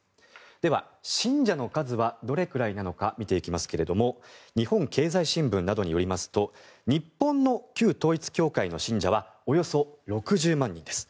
では、信者の数はどれくらいなのか見ていきますが日本経済新聞などによりますと日本の旧統一教会の信者はおよそ６０万人です。